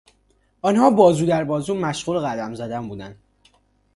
آنها بازو در بازو مشغول قدم زدن بودند.